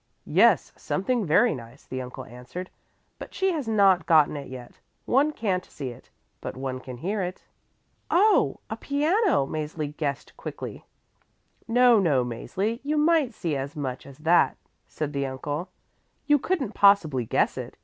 "Yes, something very nice," the uncle answered, "but she has not gotten it yet; one can't see it, but one can hear it." "Oh, a piano," Mäzli guessed quickly. "No, no, Mäzli; you might see as much as that," said the uncle. "You couldn't possibly guess it.